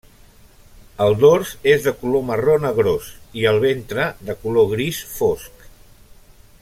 El dors és de color marró negrós i el ventre de color gris fosc.